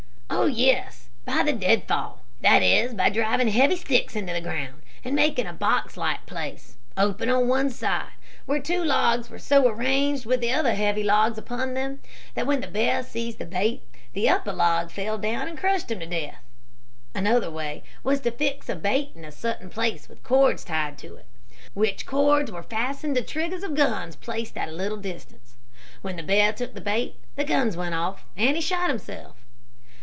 "Oh, yes, by the deadfall that is by driving heavy sticks into the ground, and making a box like place, open on one side, where two logs were so arranged with other heavy logs upon them, that when the bear seized the bait, the upper log fell down and crushed him to death. Another way was to fix a bait in a certain place, with cords tied to it, which cords were fastened to triggers of guns placed at a little distance. When the bear took the bait, the guns went off, and he shot himself.